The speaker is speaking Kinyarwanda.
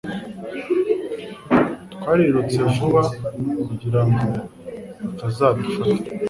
Twarirutse vuba kugirango batazadufata.